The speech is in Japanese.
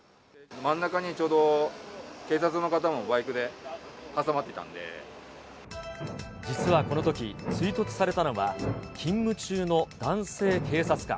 真ん中にちょうど、警察の方実はこのとき、追突されたのは、勤務中の男性警察官。